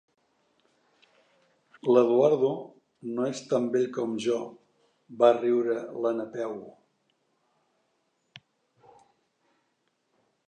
L'Eduardo no és tan vell com jo —va riure la Napeu—.